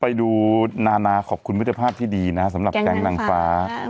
ไปดูนานาขอบคุณมิตรภาพที่ดีนะสำหรับแก๊งนางฟ้า